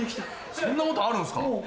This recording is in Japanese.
そんなことあるんすか。